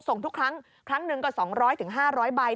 ทุกครั้งครั้งหนึ่งก็๒๐๐๕๐๐ใบ